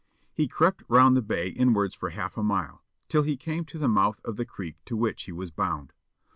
He crept round the bay inwards for half a mile, till he came to the mouth of the creek to which he was bound.